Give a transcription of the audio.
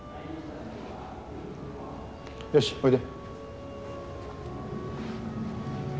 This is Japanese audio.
よしおいで。